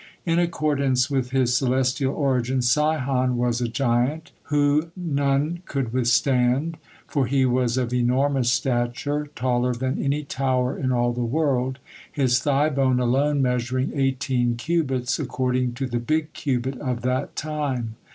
In accordance with his celestial origin Sihon was a giant who none could withstand, for he was of enormous stature, taller than any tower in all the world, his thigh bone alone measuring eighteen cubits, according to the big cubit of that time.